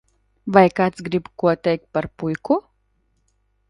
Vai kāds grib ko teikt par puiku?